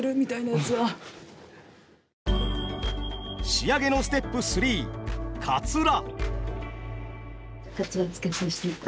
仕上げのステップ３かつら。